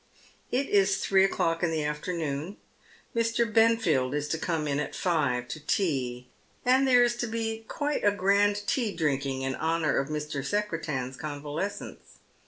It is three o'clock in the afternoon. Mr. Benfield is to come in at five to tea, and there is to be quite a grand tea drinking in honour of Mr. Secretan's convalescence.